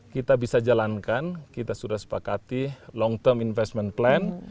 kita bisa jalankan kita sudah sepakati long term investment plan